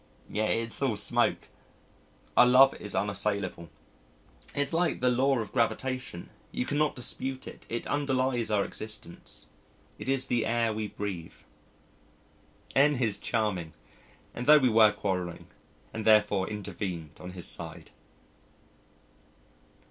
Yet it's all smoke. Our love is unassailable it's like the law of gravitation, you cannot dispute it, it underlies our existence, it is the air we breathe. N is charming, and thought we were quarrelling, and therefore intervened on his side!